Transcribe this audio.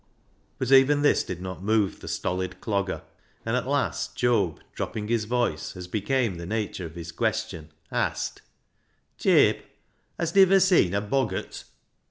But even this did not move the stolid Clogger, and at last Job, dropping his voice, as became the nature of his question, asked —" Jabe, hast iver seen a boggart